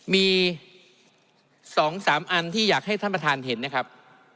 มี๒๓อันที่อยากให้ท่านประธานเห็นนะครับ